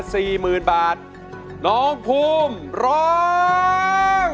เพลงที่๓มูลค่า๔๐๐๐๐บาทน้องพูมร้อง